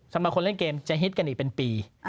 สำหรับคนเล่นเกมจะฮิตกันอีกเป็นปี